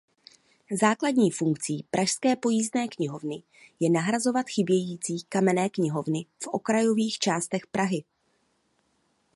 Základní funkcí pražské pojízdné knihovny je nahrazovat chybějící "kamenné" knihovny v okrajových částech Prahy.